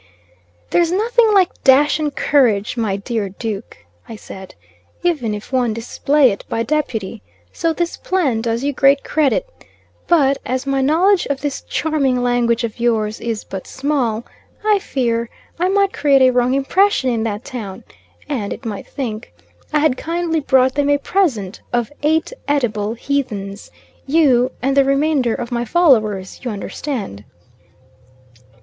"There's nothing like dash and courage, my dear Duke," I said, "even if one display it by deputy, so this plan does you great credit; but as my knowledge of this charming language of yours is but small, I fear I might create a wrong impression in that town, and it might think I had kindly brought them a present of eight edible heathens you and the remainder of my followers, you understand."